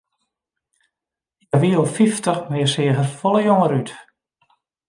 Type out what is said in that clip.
Hja wie al fyftich, mar hja seach der folle jonger út.